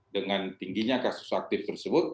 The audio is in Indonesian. dengan tingginya kasus aktif tersebut